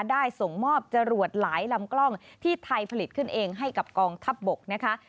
ได้ส่งมอบจรวดหลายลำกล้องที่ไทยผลิตขึ้นเองให้กับกองทัพบกนะคะ